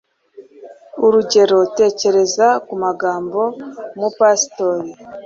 urugero, tekereza ku magambo umupastori